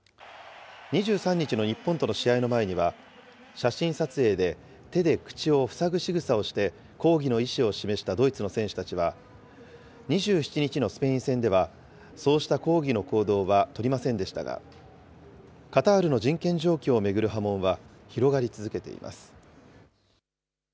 ２３日の日本との試合の前には、写真撮影で、手で口を塞ぐしぐさをして抗議の意思を示したドイツの選手たちは、２７日のスペイン戦では、そうした抗議の行動は取りませんでしたが、カタールの人権状況を巡る波紋は広がり続けています。